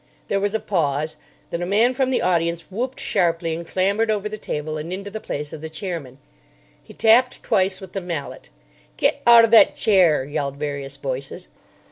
There was a pause. Then a man from the audience whooped sharply and clambered over the table and into the place of the chairman. He tapped twice with the mallet. "Get out of that chair," yelled various voices.